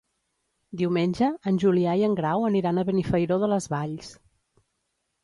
Diumenge en Julià i en Grau aniran a Benifairó de les Valls.